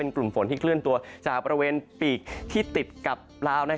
กลุ่มฝนที่เคลื่อนตัวจากบริเวณปีกที่ติดกับลาว